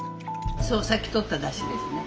そうさっきとっただしですね。